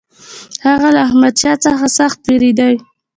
هغه له احمدشاه څخه سخت وېرېدی.